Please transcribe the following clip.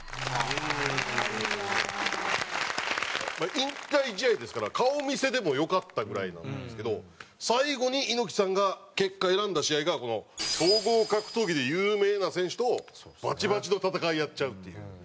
引退試合ですから顔見せでもよかったぐらいなんですけど最後に猪木さんが結果選んだ試合がこの総合格闘技で有名な選手とバチバチの戦いやっちゃうっていう。